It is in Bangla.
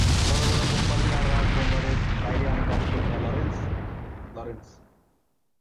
বড় বড় কোম্পানি আর রাজ দরবারের বাইরে আমি কাজ করি না লরেন্স, লরেন্স।